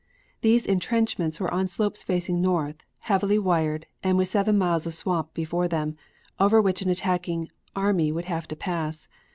These intrenchments were on slopes facing north, heavily wired and with seven miles of swamp before them, over which an attacking army would have to pass.